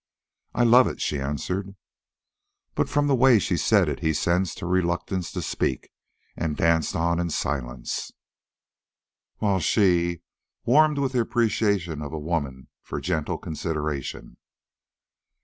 "I love it," she answered. But from the way she said it he sensed her reluctance to speak, and danced on in silence, while she warmed with the appreciation of a woman for gentle consideration.